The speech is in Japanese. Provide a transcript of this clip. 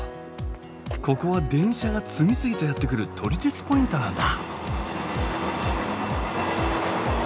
ここは電車が次々とやって来る撮り鉄ポイントなんだ。